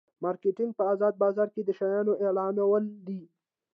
مارکیټینګ په ازاد بازار کې د شیانو اعلانول دي.